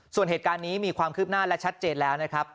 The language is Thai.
ส่วนเหตุการณ์นี้มีความคืบหน้าและชัดเจนแล้วนะครับ